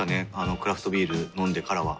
クラフトビール飲んでからは。